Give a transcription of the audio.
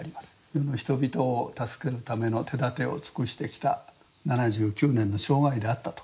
「世の人々を助けるための手だてを尽くしてきた７９年の生涯であった」と。